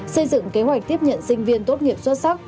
xây dựng kế hoạch tiếp nhận sinh viên tốt nghiệp xuất sắc